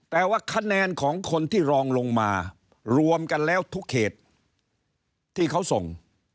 แต่ว่าคะแนนของคนที่รองลงมารวมกันแล้วทุกเขตที่เขาส่ง